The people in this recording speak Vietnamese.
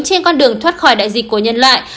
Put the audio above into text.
trên con đường thoát khỏi đại dịch của nhân loại